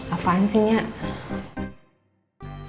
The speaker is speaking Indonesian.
apaan sih nyak